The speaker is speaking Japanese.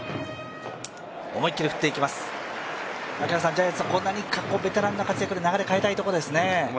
ジャイアンツ、何かベテランの活躍で流れを変えたいところですね。